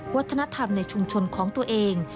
วัฒนธรรมในชุมชนของตัวเอง